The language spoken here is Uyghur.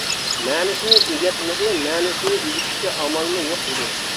مەنىسىنى ئۆگەتمىدى، مەنىسىنى ئۆگىتىشكە ئامالمۇ يوق ئىدى.